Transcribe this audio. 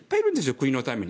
国のために。